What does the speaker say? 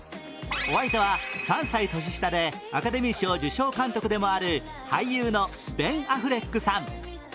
お相手は、３歳年下でアカデミー賞受賞監督でもある俳優のベン・アフレックさん。